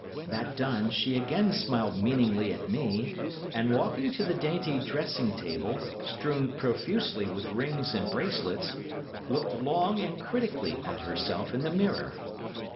That done, she again smiled meaningly at me, and walking to the dainty dressing table, strewn profusely with rings and bracelets, looked long and critically at herself in the mirror.